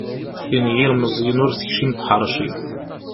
Tin n yilmeẓyen ur tekcim tḥerci.